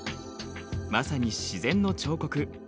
まさに自然の彫刻。